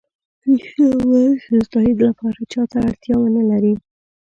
ریښتیا ؤوایه چې د تایید لپاره چا ته اړتیا ونه لری